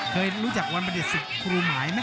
เคยรู้จักวันประเด็จศึกครูหมายมั้ย